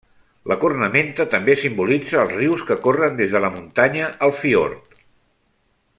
La cornamenta també simbolitza els rius que corren des de la muntanya al fiord.